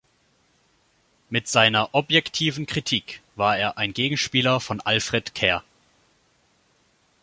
Mit seiner „objektiven Kritik“ war er ein Gegenspieler von Alfred Kerr.